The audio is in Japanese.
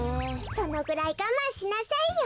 そのぐらいがまんしなさいよ。